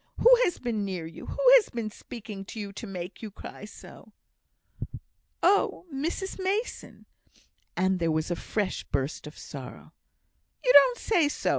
Who has been near you? who has been speaking to you to make you cry so?" "Oh, Mrs Mason." And there was a fresh burst of sorrow. "You don't say so!